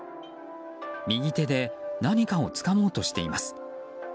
右手で何かをつかもうとしています。